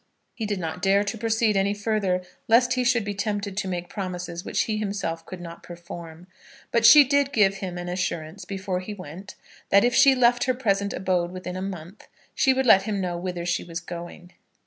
He did not dare to proceed any further lest he should be tempted to make promises which he himself could not perform; but she did give him an assurance before he went that if she left her present abode within a month, she would let him know whither she was going.